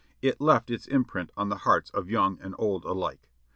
It left its imprint on the hearts of young and old alike.